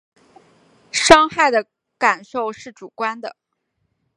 伤害的感受是主观的